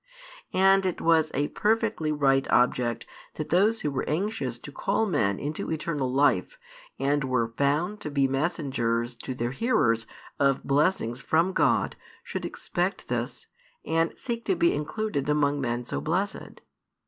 And it was a perfectly right object that those who were anxious to call men into eternal life and were found to be messengers to their hearers of blessings from God should expect this, and seek to be included among men so blessed.